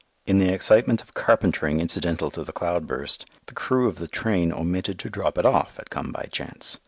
In the excitement of carpentering incidental to the cloudburst, the crew of the train omitted to drop it off at Come by Chance.